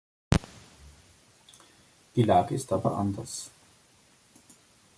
Die Lage ist aber anders.